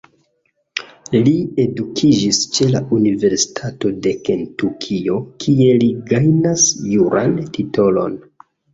Li edukiĝis ĉe la Universitato de Kentukio kie li gajnas juran titolon.